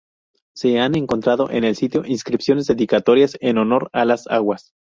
Se han encontrado en el sitio inscripciones dedicatorias en honor a las aguas.